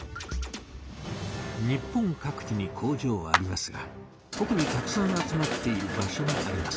日本各地に工場はありますが特にたくさん集まっている場所があります。